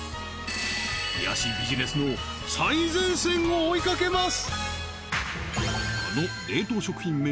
冷やしビジネスの最前線を追いかけます！